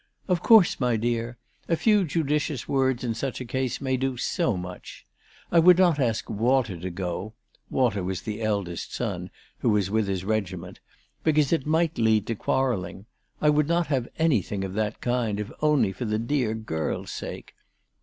" Of course, my dear. A few judicious words in such a case may do so much. I would not ask Walter to go/' Walter was the eldest son, who was with his regiment, " because it might lead to quarrelling. I would not have anything of that kind, if only for the dear girl's sake.